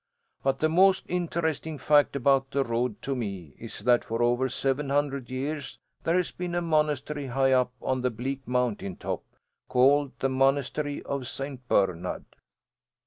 But the most interesting fact about the road to me, is that for over seven hundred years there has been a monastery high up on the bleak mountain top, called the monastery of St. Bernard.